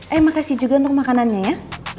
eh makasih juga untuk makanannya ya